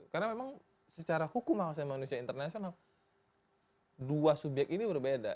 karena memang secara hukum hak asasi manusia internasional dua subyek ini berbeda